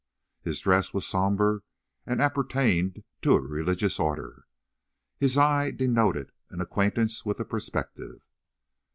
His dress was sombre and appertained to a religious order. His eye denoted an acquaintance with the perspective.